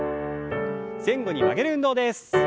前後に曲げる運動です。